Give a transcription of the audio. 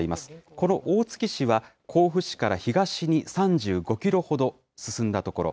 この大月市は、甲府市から東に３５キロほど進んだ所。